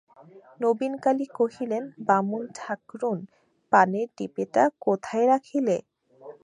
নবীনকালী কহিলেন, বামুন-ঠাকরুন, পানের ডিপেটা কোথায় রাখিলে?